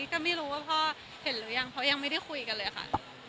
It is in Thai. ก็ไม่รู้ว่าพ่อเห็นหรือยังเพราะยังไม่ได้คุยกันเลยค่ะ